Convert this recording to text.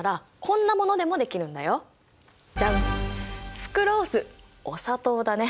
スクロースお砂糖だね。